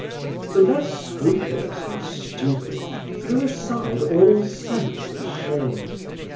The less scrupulous and stupid threw aside all sense of shame.